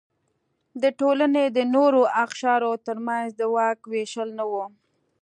د ټولنې د نورو اقشارو ترمنځ د واک وېشل نه و.